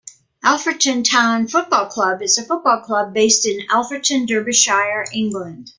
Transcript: Alfreton Town Football Club is a football club based in Alfreton, Derbyshire, England.